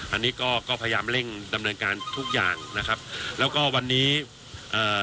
อันนี้ก็ก็พยายามเร่งดำเนินการทุกอย่างนะครับแล้วก็วันนี้เอ่อ